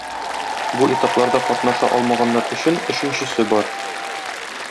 Бу этапларда катнаша алмаганнар өчен өченчесе бар.